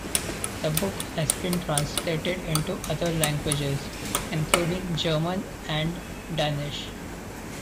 The book has been translated into other languages, including German and Danish.